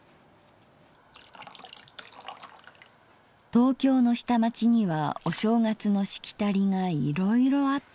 「東京の下町にはお正月のしきたりがいろいろあった。